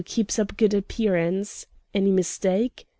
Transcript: keeps up good appearance. Any mistake?